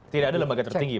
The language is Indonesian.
tidak ada lembaga tertinggi